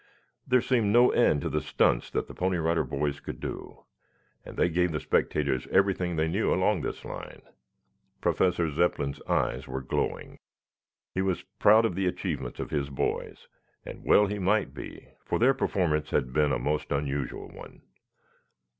There seemed no end to the stunts that the Pony Rider Boys could do, and they gave the spectators everything they knew along this line. Professor Zepplin's eyes were glowing. He was proud of the achievements of his boys, and well he might be, for their performance had been a most unusual one.